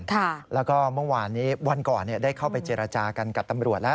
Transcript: แล้วก็เมื่อวานนี้วันก่อนได้เข้าไปเจรจากันกับตำรวจแล้ว